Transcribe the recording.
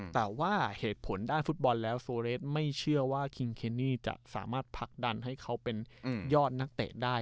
แต่ว่าเหตุผลด้านฟุตบอลแล้วโซเรสไม่เชื่อว่าคิงเคนี่จะสามารถผลักดันให้เขาเป็นยอดนักเตะได้